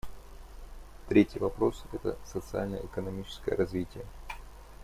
Третий вопрос — это социально-экономическое развитие.